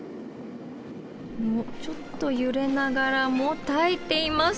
ちょっとゆれながらもたえています！